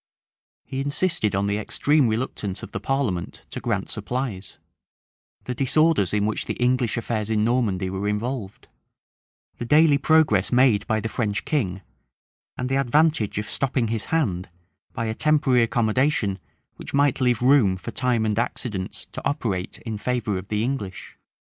He insisted on the extreme reluctance of the parliament to grant supplies; the disorders in which the English affairs in Normandy were involved; the daily progress made by the French king; and the advantage of stopping his hand by a temporary accommodation which might leave room for time and accidents to operate in favor of the English.